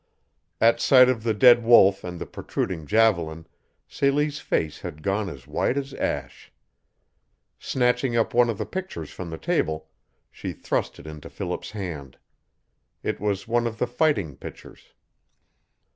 At sight of the dead wolf and the protruding javelin Celie's face had gone as white as ash. Snatching up one of the pictures from the table, she thrust it into Philip's hand. It was one of the fighting pictures.